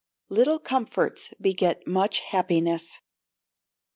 [LITTLE COMFORTS BEGET MUCH HAPPINESS.